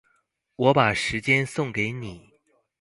我把時間送給你